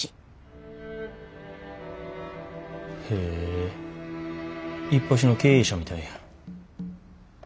へえいっぱしの経営者みたいやん。